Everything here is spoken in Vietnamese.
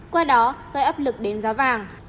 qua đó gây áp lực đến giá vàng